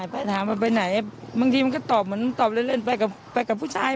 ไปถามไปไหนบางทีมันก็ตอบมันตอบเล่นไปกับไปกับผู้ชาย